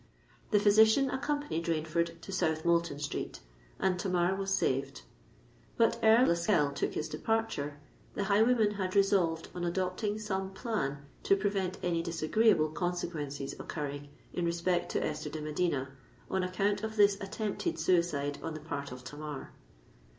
The physician accompanied Rainford to South Moulton Street, and Tamar was saved. But ere Lascelles took his departure, the highwayman had resolved on adopting some plan to prevent any disagreeable consequences occurring in respect to Esther de Medina on account of this attempted suicide on the part of Tamar.